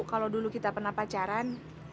kalau dulu kita pernah pacaran